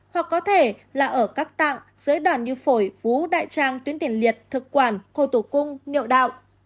hoặc có thể là ở các tạng dưới đòn như phổi vú đại trang tuyến tiền liệt thực quản khổ tổ cung niệu đạo